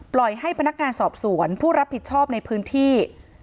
ให้พนักงานสอบสวนผู้รับผิดชอบในพื้นที่